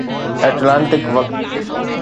Atlantic وقت